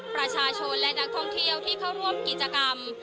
ประชาชนและนักท่องเที่ยวที่เข้าร่วมกิจกรรม